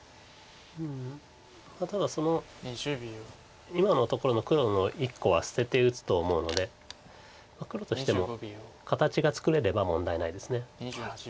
うんまあただ今のところの黒の１個は捨てて打つと思うので黒としても形が作れれば問題ないです。